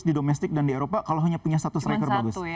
di domestik dan di eropa kalau hanya punya satu striker bagus